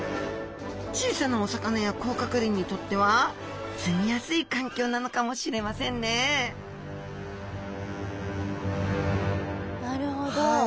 小さなお魚や甲殻類にとっては住みやすい環境なのかもしれませんねなるほど。